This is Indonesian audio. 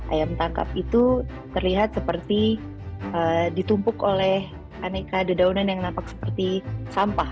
ayam tangkap itu terlihat seperti ditumpuk oleh aneka dedaunan yang nampak seperti sampah